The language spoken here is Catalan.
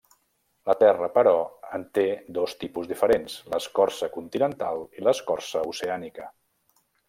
La Terra, però, en té dos tipus diferents: l'escorça continental i l'escorça oceànica.